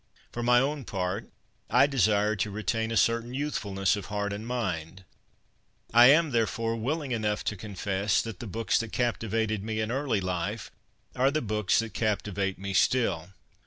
For my own part, I desire to retain a certain youth fulness of heart and mind. I am, therefore, willing enough to confess that the books that captivated me in early life are the books that captivate me still.